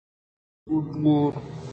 روچ گار اِنت